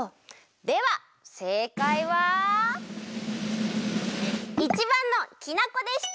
ではせいかいは①ばんのきな粉でした！